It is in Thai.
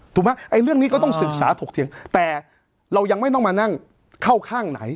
ถูกไหมเรื่องนี้ก็ต้องศึกษาถกเถียงแต่เรายังไม่ต้องมานั่งเข้าข้างไหน